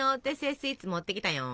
スイーツ持ってきたよん！